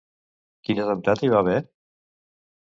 Quin atemptat hi va haver?